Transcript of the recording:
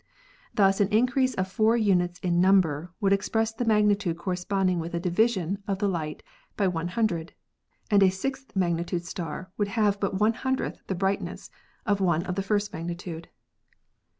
Thus an increase of four units in number would express the magnitude corresponding with a division of the light by one hundred, and a sixth magnitude star would have but one hundredth the brightness of one of the first magnitude.